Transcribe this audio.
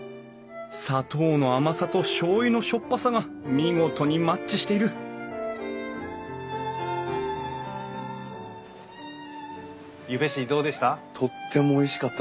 砂糖の甘さとしょうゆのしょっぱさが見事にマッチしているゆべしどうでした？